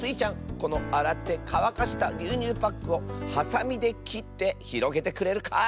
このあらってかわかしたぎゅうにゅうパックをはさみできってひろげてくれるかい？